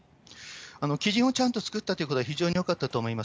基準をちゃんと作ったということは、非常によかったと思います。